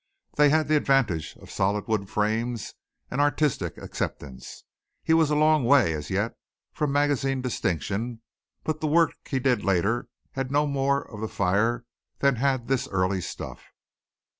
They had the advantage of solid wood frames and artistic acceptance. He was a long way as yet from magazine distinction but the work he did later had no more of the fire than had this early stuff.